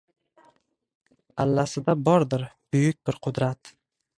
Allasida bordir buyuk bir qudrat: